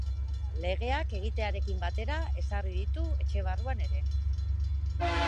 Legeak egitearekin batera ezarri ditu etxe barruan ere.